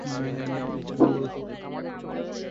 এতদিন ধর্মকে খুব কঠিনভাবেই রক্ষা করেছে।